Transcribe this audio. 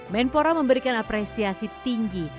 menpora memberikan apresiasi tinggi